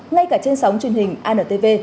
ngay cả trên sóng truyền hình antv